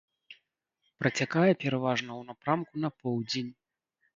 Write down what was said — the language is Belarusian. Працякае пераважна ў напрамку на поўдзень.